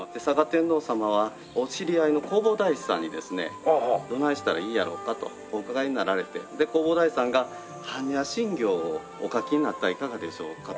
嵯峨天皇さまはお知り合いの弘法大師さんにですねどないしたらいいやろかとお伺いになられてで弘法大師さんが般若心経をお書きになったらいかがでしょうかと。